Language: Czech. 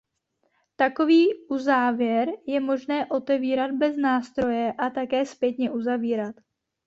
Takový uzávěr je možné otevírat bez nástroje a také zpětně uzavírat.